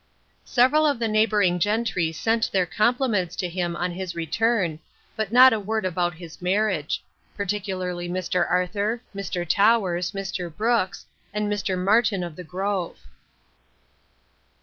Several of the neighbouring gentry sent their compliments to him on his return, but not a word about his marriage; particularly Mr. Arthur, Mr. Towers, Mr. Brooks, and Mr. Martin of the Grove.